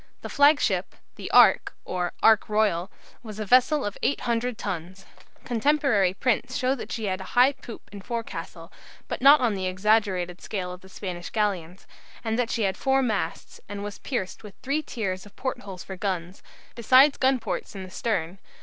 The flagship, the "Ark," or "Ark Royal," was a vessel of 800 tons. Contemporary prints show that she had a high poop and forecastle, but not on the exaggerated scale of the Spanish galleons; and that she had four masts, and was pierced with three tiers of port holes for guns, besides gun ports in the stern.